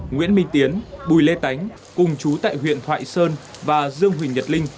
nguyễn minh tiến bùi lê tánh cùng chú tại huyện thoại sơn và dương huỳnh nhật linh